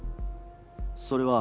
それは。